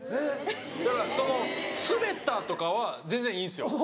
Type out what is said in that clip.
だからそのスベったとかは全然いいんですよ。